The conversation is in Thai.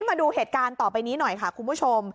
มาดูเหตุการณ์ต่อไปนี้หน่อยค่ะคุณผู้ชม